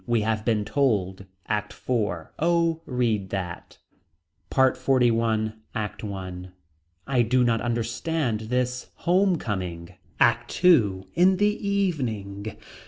We have been told. ACT IV. Oh read that. PART XLI. ACT I. I do not understand this home coming. ACT II. In the evening.